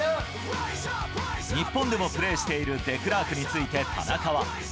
日本でもプレーしているデクラークについて田中は。